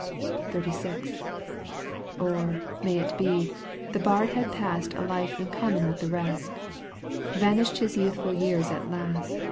XXXVI. Or, it may be, the bard had passed A life in common with the rest ; Vanished his youthful years at last.